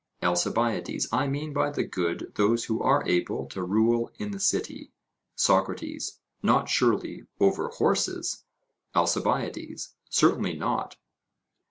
ALCIBIADES: I mean by the good those who are able to rule in the city. SOCRATES: Not, surely, over horses? ALCIBIADES: Certainly not.